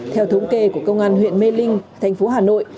theo thống kê của công an huyện mê linh thành phố hà nội